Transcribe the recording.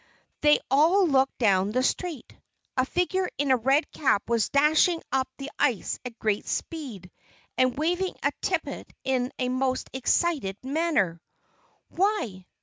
They all looked down the strait. A figure in a red cap was dashing up the ice at great speed, and waving a tippet in a most excited manner. "Why!"